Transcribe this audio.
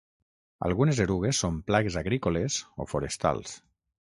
Algunes erugues són plagues agrícoles o forestals.